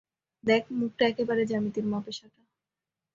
দেখ, মুখটা একেবারে জ্যামিতির মাপে সাঁটা।